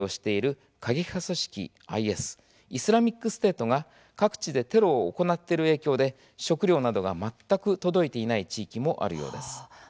タリバンと勢力争いをしている過激派組織ＩＳ・イスラミックステートが各地でテロを行っている影響で食料などが全く届いていない地域もあるようです。